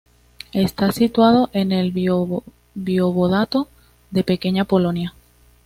Está situado en el Voivodato de Pequeña Polonia.